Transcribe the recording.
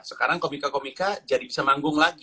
sekarang comikacomika jadi bisa manggung lagi